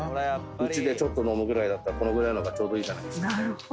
うちでちょっと飲むぐらいだったらこのぐらいの方がちょうどいいじゃないですか。